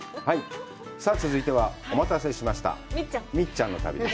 続いては、お待たせしましたみっちゃんの旅。